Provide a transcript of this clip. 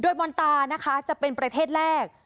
มอนตานะคะจะเป็นประเทศแรก